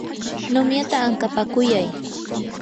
numyata ankapakuyay.